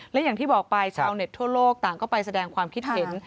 และอย่างที่บอกไปชาวเน็ตทั่วโลกต่างก็ไปแสดงความคิดเห็น